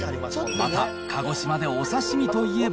また鹿児島でお刺身といえば。